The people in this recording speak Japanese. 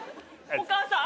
お母さん！